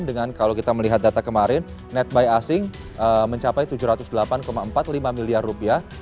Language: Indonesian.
dengan kalau kita melihat data kemarin netbuy asing mencapai tujuh ratus delapan empat puluh lima miliar rupiah